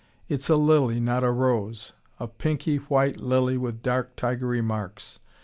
It's a lily, not a rose; a pinky white lily with dark tigery marks.